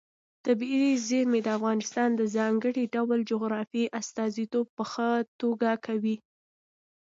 طبیعي زیرمې د افغانستان د ځانګړي ډول جغرافیې استازیتوب په ښه توګه کوي.